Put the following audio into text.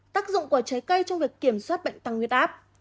tác dụng của trái cây trong việc kiểm soát bệnh tăng huyết áp